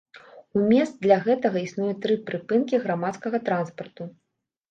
У месц для гэтага існуе тры прыпынкі грамадскага транспарту.